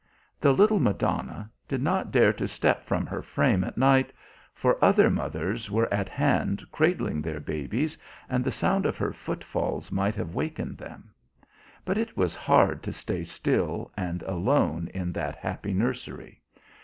The little Madonna did not dare to step from her frame at night, for other mothers were at hand cradling their babes and the sound of her footfalls might have wakened them. But it was hard to stay still and alone in that happy nursery.